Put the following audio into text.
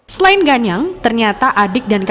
selain ganyang ternyata adik dan kakaknya